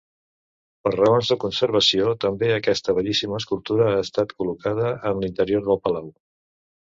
Per raons de conservació, també aquesta bellíssima escultura ha estat col·locada en l'interior del palau.